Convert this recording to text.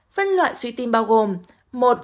vân loại suy tim bao gồm